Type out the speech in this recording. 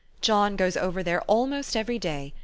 John goes over there almost every day.